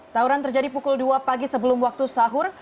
tawuran terjadi pukul dua pagi sebelum waktu sahur